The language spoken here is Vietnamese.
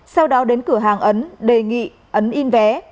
sau đó đến cửa hàng ấn đề nghị ấn in vé